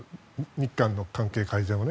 日韓の関係改善を。